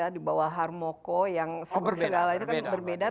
di bawah harmoko yang segala itu kan berbeda